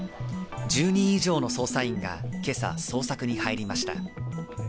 １０人以上の捜査員が今朝捜索に入りました。